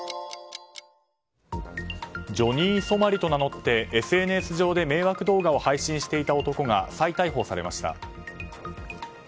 ジョニー・ソマリと名乗ってＳＮＳ上で迷惑動画を配信していた男が再逮捕されました。